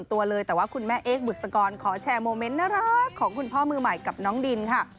ตัวเลยแต่ว่าคุณแม่เอกบุษกรขอแชร์โมเมนต์น่ารักของคุณพ่อมือใหม่กับน้องดินค่ะ